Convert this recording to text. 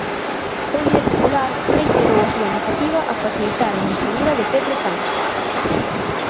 O líder popular reiterou a súa negativa a facilitar a investidura de Pedro Sánchez.